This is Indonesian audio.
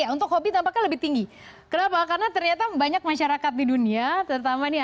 untuk hobi tampaknya lebih tinggi kenapa karena ternyata banyak masyarakat di dunia terutama nih